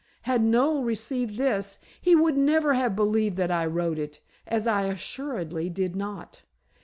Had Noel received this, he would never have believed that I wrote it, as I assuredly did not.